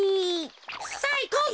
さあいこうぜ！